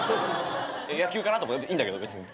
野球かなといいんだけど別に。